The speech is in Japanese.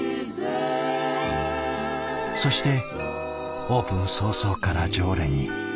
そしてオープン早々から常連に。